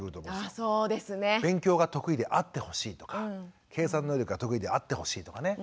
あそうですね。勉強が得意であってほしいとか。計算能力が得意であってほしいとかね